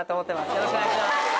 よろしくお願いします。